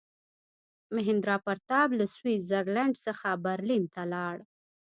میهندراپراتاپ له سویس زرلینډ څخه برلین ته ولاړ.